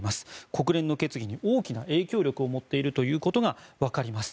国連の決議に大きな影響力を持っているということがわかります。